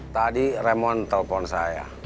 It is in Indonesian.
tadi raymond telpon saya